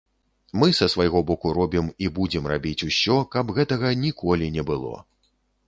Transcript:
Мы са свайго боку робім і будзем рабіць усё, каб гэтага ніколі не было.